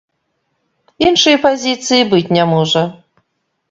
Іншай пазіцыі і быць не можа.